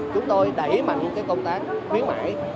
chúng tôi đẩy mạnh công tác khuyến mại